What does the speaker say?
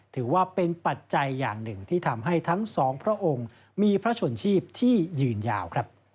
ถือว่าเป็นปัจจัยอย่างหนึ่งที่ทำให้ทั้งสองพระองค์มีพระชนชีพที่ยืนยาว